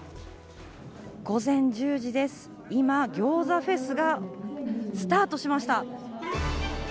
午前１０時です、今、餃子フェスがスタートしました。